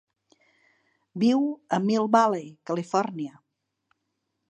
Viu a Mill Valley, Califòrnia.